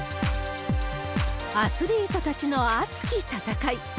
アスリートたちの熱き戦い。